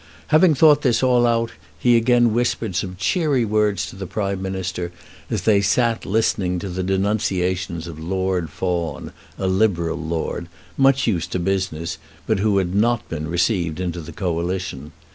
Having thought this all out he again whispered some cheery word to the Prime Minister, as they sat listening to the denunciations of Lord Fawn, a Liberal lord, much used to business, but who had not been received into the Coalition.